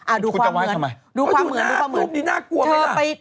อ่ะดูความเหมือนดูความเหมือนดูความเหมือนบอกดูหน้ากลุ่มนี้น่ากลั่วไหมล่ะ